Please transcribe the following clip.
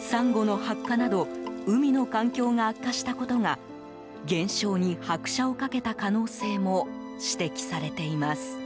サンゴの白化など海の環境が悪化したことが減少に拍車を掛けた可能性も指摘されています。